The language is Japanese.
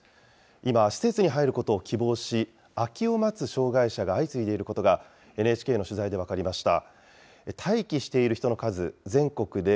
今、施設に入ることを希望し、空きを待つ障害者が相次いでいることがＮＨＫの取材で分かりました。